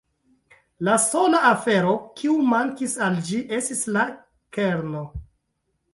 La sola afero, kiu mankis al ĝi, estis la kerno.